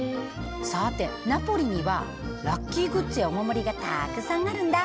さてナポリにはラッキーグッズやお守りがたくさんあるんだ。